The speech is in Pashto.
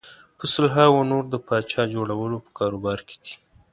په سلهاوو نور د پاچا جوړولو په کاروبار کې دي.